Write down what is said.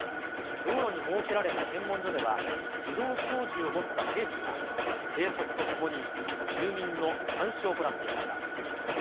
道路に設けられた検問所では、自動小銃を持った兵士が警察と共に住民の監視を行っていました。